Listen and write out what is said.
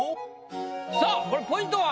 さあこれポイントは？